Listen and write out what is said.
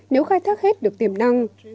nếu khai thác hết được tiềm năng